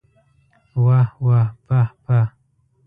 واه واه واه پاه پاه!